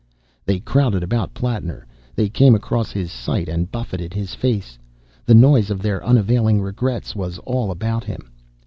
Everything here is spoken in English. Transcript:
They crowded about Plattner, they came across his sight and buffeted his face, the noise of their unavailing regrets was all about him.